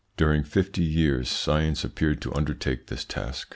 During fifty years science appeared to undertake this task.